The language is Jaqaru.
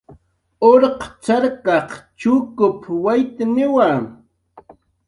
Urq cxarkaq chukup waytniwa